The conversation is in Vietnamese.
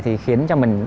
thì khiến cho mình